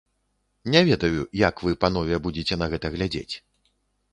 Не ведаю, як вы, панове, будзеце на гэта глядзець.